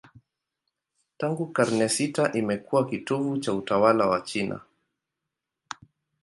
Tangu karne sita imekuwa kitovu cha utawala wa China.